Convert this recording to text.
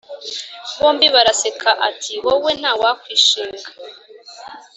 bombi baraseka ati wowe ntawakwishinga